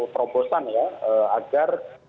terobosan ya agar